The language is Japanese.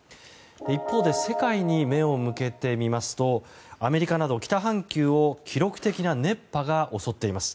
一方で世界に目を向けてみますとアメリカなど北半球を記録的な熱波が襲っています。